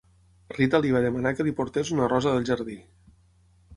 Rita li va demanar que li portés una rosa del jardí.